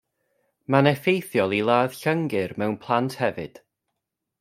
Mae'n effeithiol i ladd llyngyr mewn plant hefyd.